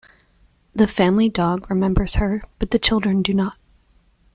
The family dog remembers her, but the children do not.